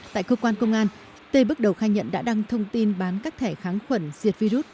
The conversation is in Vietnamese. tại cơ quan công an tê bước đầu khai nhận đã đăng thông tin bán các thẻ kháng khuẩn diệt virus